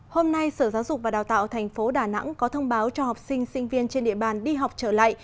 hôm nay sở giáo dục và đào tạo thành phố đà nẵng có thông báo cho học sinh sinh viên trên địa bàn đi học trở lại